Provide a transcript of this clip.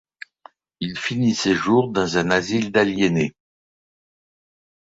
Il finit ses jours dans un asile d'aliénés.